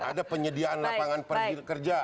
ada penyediaan lapangan kerja